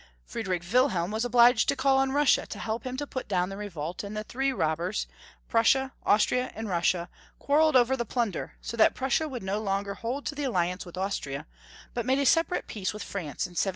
Friedrich Wilhelm Franz IT. 431 was obliged to call on Russia to help him to put down the revolt, and the three robbers, Prussia, Austria, and Russiia, quarrelled over the plunder, so that Prussia would no longer hold to the alliance with Austria, but made a seperate peace with France in 1795.